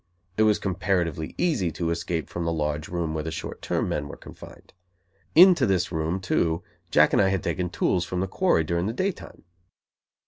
It was comparatively easy to escape from the large room where the short term men were confined. Into this room, too, Jack and I had taken tools from the quarry during the daytime.